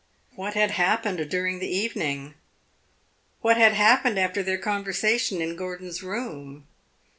What had happened during the evening what had happened after their conversation in Gordon's room?